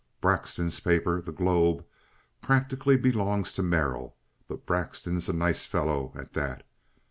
Braxton's paper, the Globe, practically belongs to Merrill, but Braxton's a nice fellow, at that.